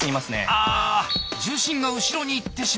あ重心が後ろにいってしまう。